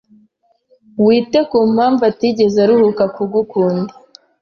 wite ku mpamvu atigeze aruhuka kugukunda.”